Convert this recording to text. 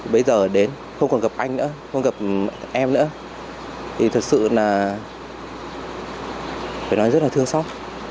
bây giờ đến không còn gặp anh nữa không gặp em nữa thì thật sự là phải nói rất là thương xót